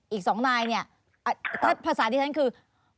อีกสองนายเนี่ยภาษาที่ท่านคือ